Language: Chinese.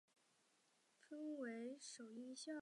分为首因效应。